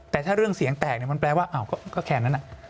แต่ถ้าเรื่องเสียงแตกมันแปลว่าก็แค่นั้น